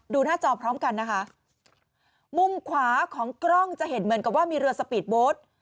หน้าจอพร้อมกันนะคะมุมขวาของกล้องจะเห็นเหมือนกับว่ามีเรือสปีดโบสต์